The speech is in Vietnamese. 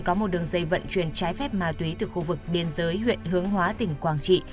có một đường dây vận chuyển trái phép ma túy từ khu vực biên giới huyện hướng hóa tỉnh quảng trị